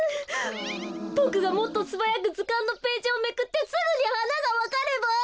ボクがもっとすばやくずかんのページをめくってすぐにはながわかれば。